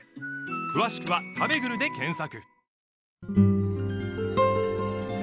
詳しくは「たべぐる」で検索